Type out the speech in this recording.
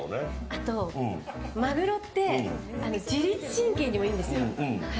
あと、マグロって自律神経にもいいんです。